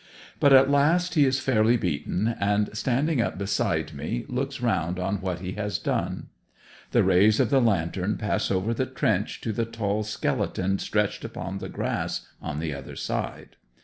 But at last he is fairly beaten, and standing up beside me looks round on what he has done. The rays of the lantern pass over the trench to the tall skeleton stretched upon the grass on the other side.